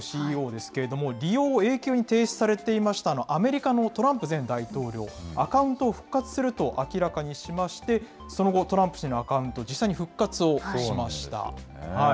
ＣＥＯですけれども、利用を永久に停止されていましたアメリカのトランプ前大統領、アカウントを復活すると明らかにしまして、その後、トランプ氏のアカウント、実際に復活をしました。